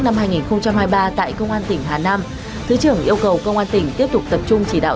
năm hai nghìn hai mươi ba tại công an tỉnh hà nam thứ trưởng yêu cầu công an tỉnh tiếp tục tập trung chỉ đạo